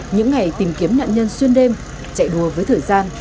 những ngày tìm kiếm nạn nhân xuyên đêm chạy đua với thời gian